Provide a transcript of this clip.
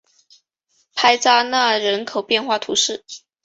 伯扎讷人口变化图示